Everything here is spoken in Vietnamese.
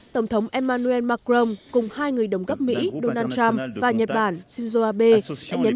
tổng thống emmanuel macron cùng hai người đồng cấp mỹ donald trump và nhật bản shinzo abe đã nhấn